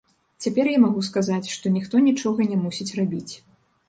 Цяпер я магу сказаць, што ніхто нічога не мусіць рабіць.